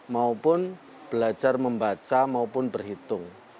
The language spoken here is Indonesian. maupun belajar membaca maupun berhitung